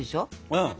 うん。